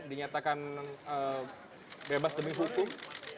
dinyatakan bebas demi hukum